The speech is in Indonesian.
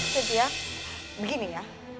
sintia begini ya